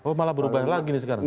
oh malah berubah lagi nih sekarang